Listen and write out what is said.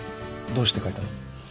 どうして変えたの？